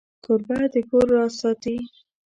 کوربه د کور راز ساتي.